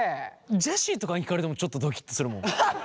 ジェシーとかに聞かれてもちょっとドキッとするもん。